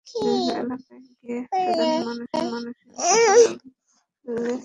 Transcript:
বিভিন্ন এলাকায় গিয়ে সাধারণ মানুষের সঙ্গে কথা বলে এসব বিষয় জানা গেছে।